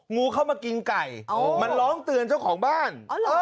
งูเข้ามากินไก่มันร้องเตือนเจ้าของบ้าน